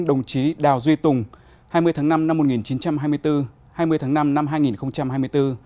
đồng chí đào duy tùng hai mươi tháng năm năm một nghìn chín trăm hai mươi bốn hai mươi tháng năm năm hai nghìn hai mươi bốn